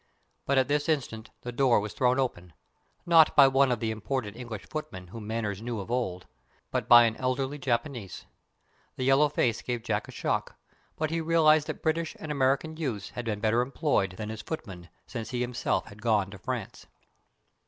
But at this instant the door was thrown open not by one of the imported English footmen whom Manners knew of old, but by an elderly Japanese. The yellow face gave Jack a shock, but he realized that British and American youths had been better employed than as footmen since he himself had gone to France.